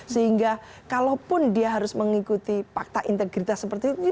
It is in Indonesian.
sehingga kalaupun dia harus mengikuti fakta integritas seperti itu